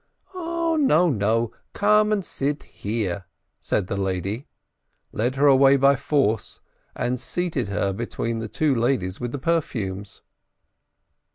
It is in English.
"Oh, no, no, come and sit there," said the lady, led her away by force, and seated her between the two ladies with the perfumes.